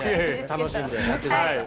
楽しんでやってください。